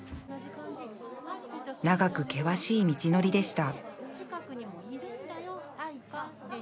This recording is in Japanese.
長く険しい道のりでした